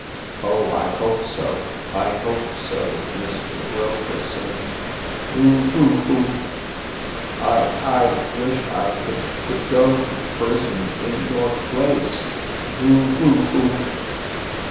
"Oh! I hope so I hope so, Mr. Wilkeson. Boo boo hoo I I wish I could g go to prison in your place. Boo boo hoo!"